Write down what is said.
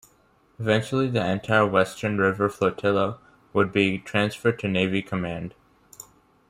Eventually the entire western river flotilla would be transferred to Navy command.